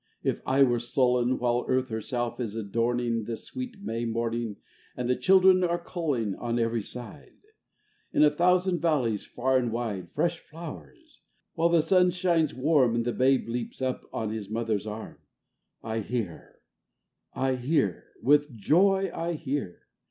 if I were sullen While Earth herself is adorning, This sweet May morning, And the Children are culling On every side, In a thousand valleys far and wide, Fresh flowers ; while the sun shines warm, And the Babe leaps up on his Mother's arm : â I hear, I hear, with joy I hear